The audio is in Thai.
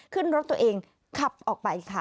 ขึ้นรถตัวเองขับออกไปค่ะ